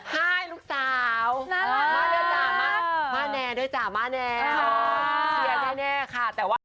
ฮ่ายลูกสาวน่ารักมาแหน่ด้วยจำมาแหน่ค่ะเสียใจแน่ค่ะแต่ว่า